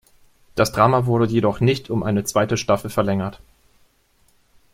Das Drama wurde jedoch nicht um eine zweite Staffel verlängert.